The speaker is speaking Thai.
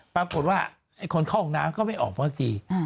ปรากฏว่าไอ้คนเข้าห้องน้ำก็ไม่ออกมาสักที